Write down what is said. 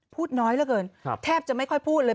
พูดน้อยเหลือเกินแทบจะไม่ค่อยพูดเลย